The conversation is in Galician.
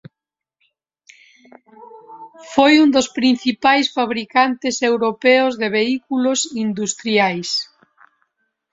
Foi un dos principais fabricantes europeos de vehículos industriais.